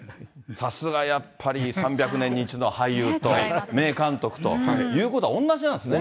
さすがやっぱり３００年に１度の俳優と、名監督と、言うこと同じです。